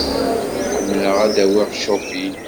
Ḥemmleɣ ad d-awiɣ Chopin.